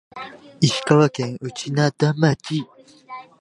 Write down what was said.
石川県内灘町